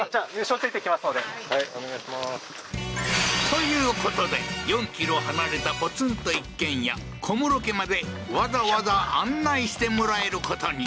ということで、４キロ離れたポツンと一軒家、コムロ家までわざわざ案内してもらえることに。